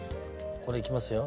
これいきますよ。